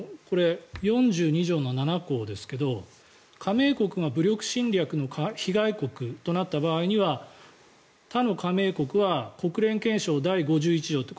４２条の７項ですが加盟国が武力侵略の被害国となった場合には他の加盟国は国連憲章第５１条